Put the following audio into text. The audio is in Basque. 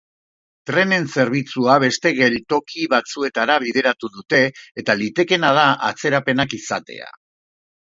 Trenen zerbitzua beste geltoki batzuetara bideratu dute, eta litekeena da atzerapenak izatea.